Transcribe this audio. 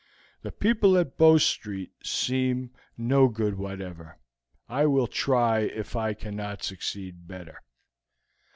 The people at Bow Street seem no good whatever; I will try if I cannot succeed better."